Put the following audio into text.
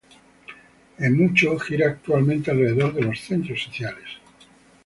En mucho gira actualmente alrededor de los Centros sociales.